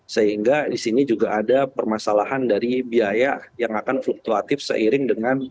sehingga di sini juga ada permasalahan dari biaya yang akan fluktuatif seiring dengan